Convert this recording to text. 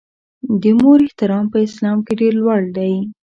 د مور احترام په اسلام کې ډېر لوړ دی.